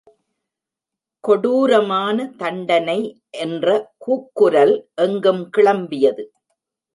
கொடுரமான தண்டனை என்ற கூக்குரல் எங்கும் கிளம்பியது.